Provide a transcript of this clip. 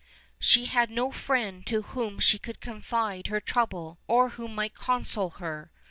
She had no friend to whom she could confide her troufcle, or who might console her.